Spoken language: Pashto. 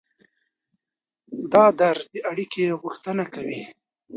دا درد د اړیکې غوښتنه کوي.